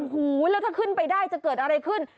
โอ้โหแล้วถ้าขึ้นไปได้จะเกิดอะไรขึ้น